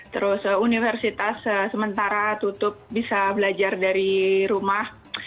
terus universitas sementara tutup bisa belajar dari rumah